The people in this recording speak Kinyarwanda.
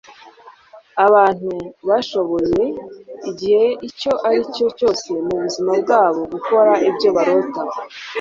abantu bashoboye, igihe icyo ari cyo cyose mu buzima bwabo, gukora ibyo barota